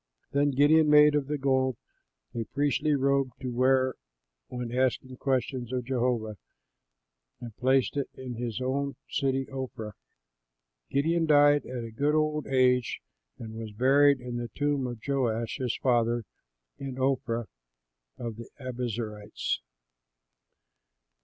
Then Gideon made of the gold a priestly robe to wear when asking questions of Jehovah, and placed it in his own city, Ophrah. Gideon died at a good old age and was buried in the tomb of Joash, his father, in Ophrah of the Abiezerites.